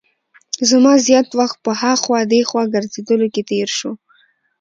زما زیات وخت په هاخوا دیخوا ګرځېدلو کې تېر شو.